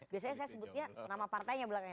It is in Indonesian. biasanya saya sebutnya nama partainya belakangnya